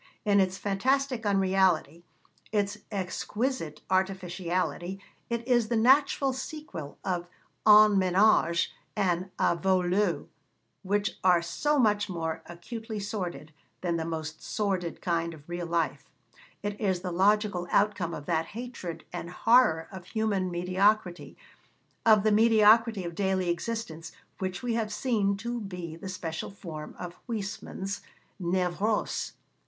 In its fantastic unreality, its exquisite artificiality, it is the natural sequel of En Ménage and A Vau l'Eau, which are so much more acutely sordid than the most sordid kind of real life; it is the logical outcome of that hatred and horror of human mediocrity, of the mediocrity of daily existence, which we have seen to be the special form of Huysmans' névrose.